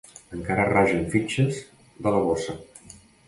Encara ragen fitxes de la bossa.